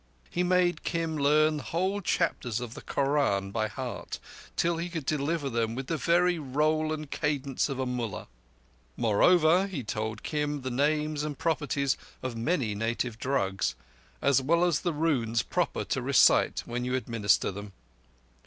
He made Kim learn whole chapters of the Koran by heart, till he could deliver them with the very roll and cadence of a mullah. Moreover, he told Kim the names and properties of many native drugs, as well as the runes proper to recite when you administer them.